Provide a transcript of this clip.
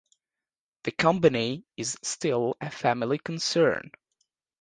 The company is still a family concern.